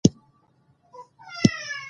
لوگر د افغان ځوانانو لپاره دلچسپي لري.